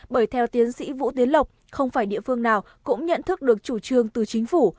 bởi theo tiến sĩ vũ tiến lộc không phải địa phương nào cũng nhận thức được chủ trương từ chính phủ